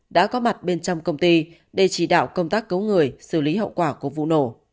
đã có mặt bên trong công ty để chỉ đạo công tác cứu người xử lý hậu quả của vụ nổ